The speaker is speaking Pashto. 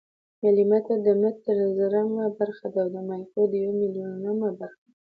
ملي متر د متر زرمه برخه ده او مایکرو د یو میلیونمه برخه ده.